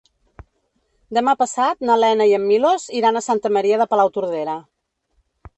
Demà passat na Lena i en Milos iran a Santa Maria de Palautordera.